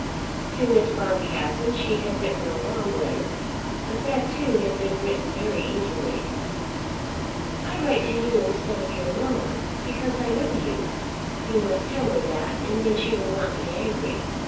To Miss Boncassen she had written a long letter, but that too had been written very easily. "I write to you instead of your mamma, because I know you. You must tell her that, and then she will not be angry.